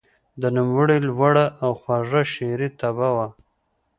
د نوموړي لوړه او خوږه شعري طبعه وه.